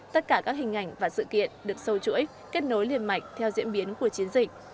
tất cả các hình ảnh và sự kiện được sâu chuỗi kết nối liên mạch theo diễn biến của chiến dịch